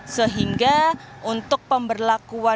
sehingga untuk pembukaan kendaraan kendaraan ini